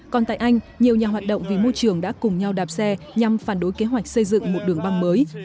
còn tại anh nhiều nhà hoạt động vì môi trường đã cùng nhau đạp xe nhằm phản đối kế hoạch xây dựng một đường băng mới